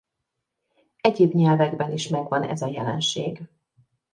Egyéb nyelvekben is megvan ez a jelenség.